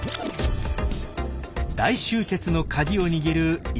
大集結のカギを握る移動能力。